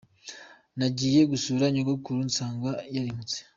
Nagiye gusura nyogokuru nsanga yarimutse.